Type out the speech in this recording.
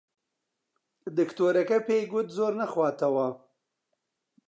دکتۆرەکە پێی گوت زۆر نەخواتەوە.